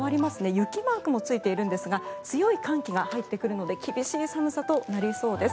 雪マークもついているんですが強い寒気が入ってくるので厳しい寒さとなりそうです。